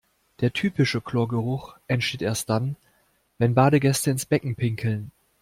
Der typische Chlorgeruch entsteht erst dann, wenn Badegäste ins Becken pinkeln.